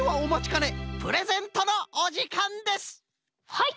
はい！